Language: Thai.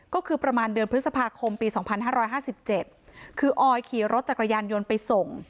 ก็คือประมาณเดือนพฤษภาคมปีสองพันห้าร้อยห้าสิบเจ็ดคือออยขี่รถจากกระยานยนต์ไปส่ง